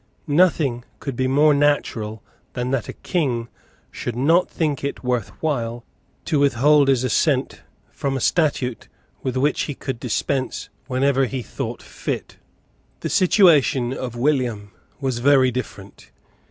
Nothing could be more natural than that a King should not think it worth while to withhold his assent from a statute with which he could dispense whenever he thought fit. The situation of William was very different.